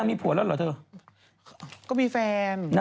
แล้วก็มีแฟน